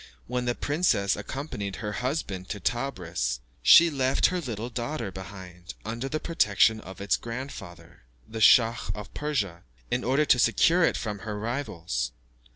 When the princess accompanied her husband to Tebris, she left her little daughter behind, under the protection of its grandfather, the Schach of Persia, in order to secure it from her rivals.